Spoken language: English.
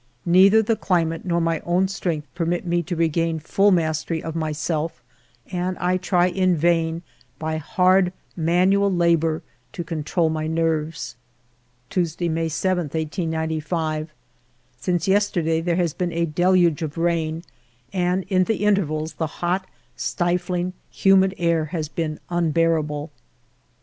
Neither the climate nor my own strength permit me to regain full mastery of myself, and I try in vain by hard manual labor to control my nerves. 'Tuesday, May 7, 1895. Since yesterday there has been a deluge of rain, and in the intervals the hot, stifling, humid air has been unbearable.